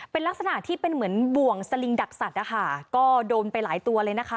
เป็นลักษณะที่เป็นเหมือนบ่วงสลิงดักสัตว์นะคะก็โดนไปหลายตัวเลยนะคะ